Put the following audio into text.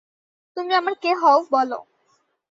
তুমি আমার কে হও, বলো।